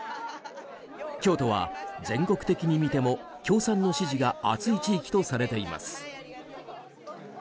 京都は全国的に見ても共産の支持が厚い地域とされています。